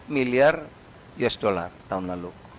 lima belas delapan miliar usd tahun lalu